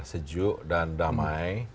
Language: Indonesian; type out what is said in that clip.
sejuk dan damai